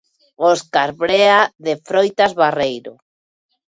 Óscar Brea, de Froitas Barreiro.